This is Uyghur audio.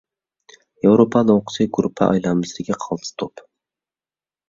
ياۋروپا لوڭقىسى گۇرۇپپا ئايلانمىسىدىكى قالتىس توپ.